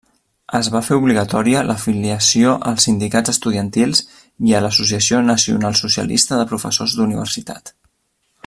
Es va fer obligatòria l'afiliació als sindicats estudiantils i a l'Associació Nacionalsocialista de Professors d'Universitat.